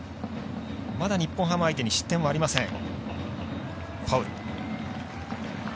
まだ日本ハム相手に失点はありません。